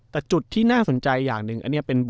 แต่จุดที่น่าสนใจอย่างหนึ่ง